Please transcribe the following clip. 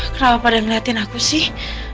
kenapa pada ngeliatin aku sih